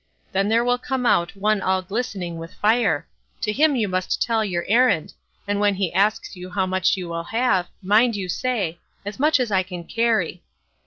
Then there will come out one all glistening with fire; to him you must tell your errand; and when he asks you how much you will have, mind you say, 'As much as I can carry.